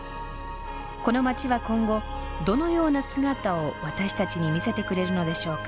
この街は今後どのような姿を私たちに見せてくれるのでしょうか？